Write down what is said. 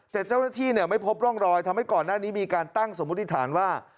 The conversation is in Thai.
แต่เจ้าหน้าที่ไม่พบร่องรอยทำให้ก่อนหน้านี้มีการตั้งสมมุติฐานว่า